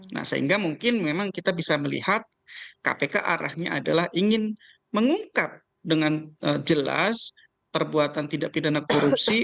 nah sehingga mungkin memang kita bisa melihat kpk arahnya adalah ingin mengungkap dengan jelas perbuatan tidak pidana korupsi